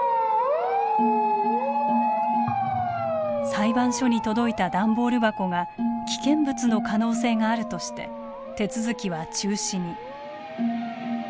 裁判所に届いた段ボール箱が危険物の可能性があるとして手続きは中止に。